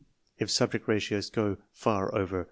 If Subject Ratios go far over 1.